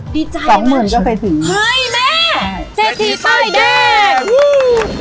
ดีใจมากใช่ไหมเฮ้ยแม่แซ่ทีไปร์ดแดงวู้